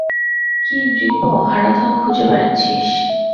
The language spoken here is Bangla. কী নৃপ, হারাধন খুঁজে বেড়াচ্ছিস?